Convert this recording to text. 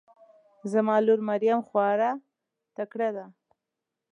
زما لور مريم خواره تکړه ده